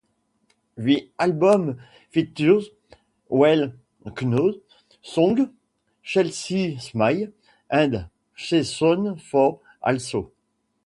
The album features well- known songs "Chelsea Smile" and "Season For Assault".